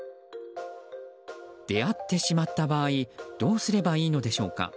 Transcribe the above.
出会ってしまった場合どうすればいいのでしょうか。